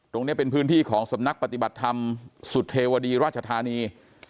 ตรงนี้เป็นพื้นที่ของสำนักปฏิบัติธรรมสุเทวดีราชธานี